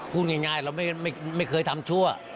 พูดง่ายเราไม่เคยทำชั่ว